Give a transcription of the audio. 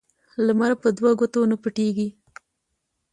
لمر په دو ګوتو نه پټېږي